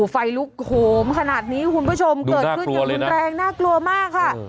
ไฟลุกโหมขนาดนี้คุณผู้ชมเกิดขึ้นอย่างรุนแรงน่ากลัวมากค่ะ